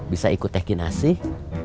bisa ikut teki nasih